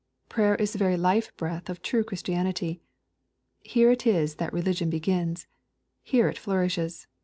Prayer is the very life breath of true Christianity. Here it is that religion begins. Here it flourishes.